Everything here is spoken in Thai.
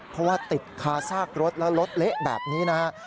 เพราะว่าติดคาซากรถแล้วรถเละแบบนี้นะฮะ